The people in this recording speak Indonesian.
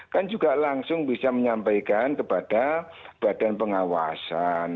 kan juga langsung bisa menyampaikan kepada badan pengawasan